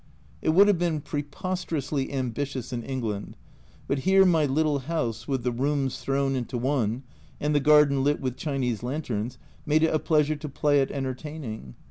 It would have been preposterously ambitious in England, but here my little house, with the rooms thrown into one, and the garden lit with Chinese lanterns, made it a pleasure to play at entertaining.